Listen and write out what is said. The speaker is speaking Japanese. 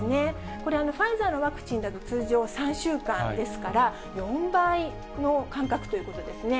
これ、ファイザーのワクチンだと通常３週間ですから、４倍の間隔ということですね。